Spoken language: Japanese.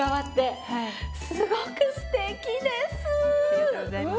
ありがとうございます。